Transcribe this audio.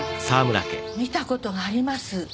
見たことがあります